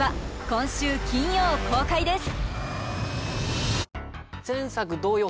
今週金曜公開です